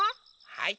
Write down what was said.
はい。